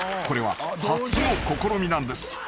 ［これは初の試みなんです］